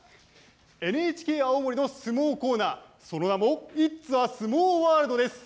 ＮＨＫ青森の相撲コーナー、その名も、Ｉｔ’ｓａ相撲ワールドです。